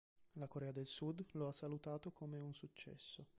La Corea del Sud lo ha salutato come un successo.